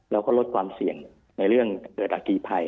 แล้วก็ลดความเสี่ยงในเรื่องเกิดอาคีภัย